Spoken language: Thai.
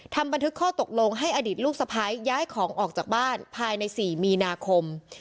บันทึกข้อตกลงให้อดีตลูกสะพ้ายย้ายของออกจากบ้านภายใน๔มีนาคม